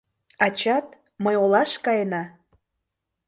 Ачат, мый олаш каена.